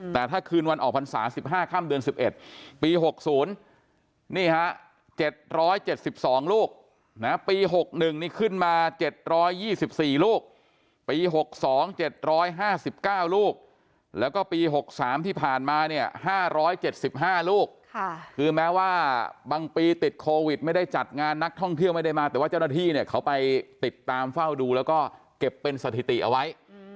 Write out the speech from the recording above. แต่ถ้าคืนวันออกพรรษา๑๕ค่ำเดือน๑๑ปี๖๐นี่ฮะ๗๗๒ลูกนะปี๖๑นี่ขึ้นมา๗๒๔ลูกปี๖๒๗๕๙ลูกแล้วก็ปี๖๓ที่ผ่านมาเนี่ย๕๗๕ลูกคือแม้ว่าบางปีติดโควิดไม่ได้จัดงานนักท่องเที่ยวไม่ได้มาแต่ว่าเจ้าหน้าที่เนี่ยเขาไปติดตามเฝ้าดูแล้วก็เก็บเป็นสถิติเอาไว้